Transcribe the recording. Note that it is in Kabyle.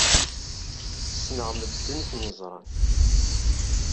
Ssneɣ medden ay ten-yeẓran.